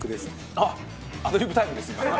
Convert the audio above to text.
あっアドリブタイムです今。